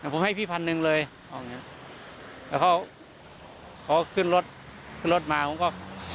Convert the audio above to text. ผมให้พี่พันหนึ่งเลยแล้วเขาเขาก็ขึ้นรถขึ้นรถมาผมก็